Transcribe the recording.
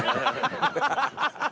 ハハハハ！